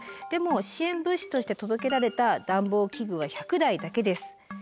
でも支援物資として届けられた暖房器具は１００台だけです。